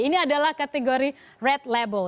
ini adalah kategori red label